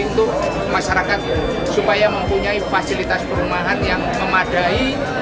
untuk masyarakat supaya mempunyai fasilitas perumahan yang memadai